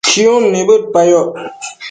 chiun nibëdpayoc